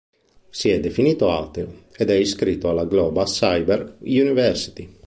Si è definito ateo, ed è iscritto alla Global Cyber University.